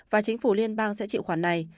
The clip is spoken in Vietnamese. và chính phủ liên bang sẽ chịu khoản này